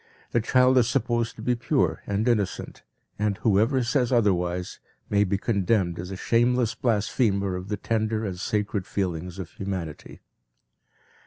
The child is supposed to be pure and innocent, and whoever says otherwise may be condemned as a shameless blasphemer of the tender and sacred feelings of humanity.